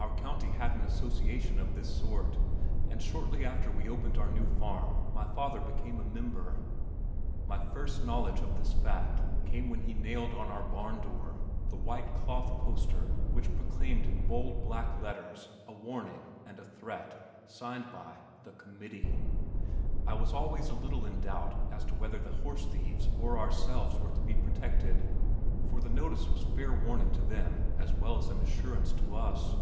Our county had an association of this sort and shortly after we opened our new farm my father became a member. My first knowledge of this fact came when he nailed on our barn door the white cloth poster which proclaimed in bold black letters a warning and a threat signed by "the Committee." I was always a little in doubt as to whether the horse thieves or ourselves were to be protected, for the notice was fair warning to them as well as an assurance to us.